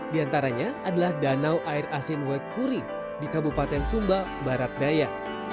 di antaranya adalah danau air asin wekuri di kabupaten sumba barat daya